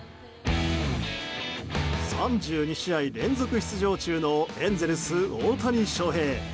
３２試合連続出場中のエンゼルス大谷翔平。